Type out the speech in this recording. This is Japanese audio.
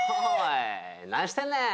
何してんねーん。